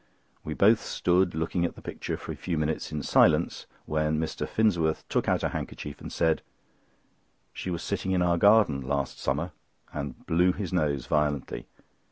We both stood looking at the picture for a few minutes in silence, when Mr. Finsworth took out a handkerchief and said: "She was sitting in our garden last summer," and blew his nose violently.